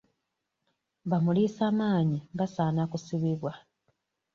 Ba muliisamaanyi basaana kusibibwa.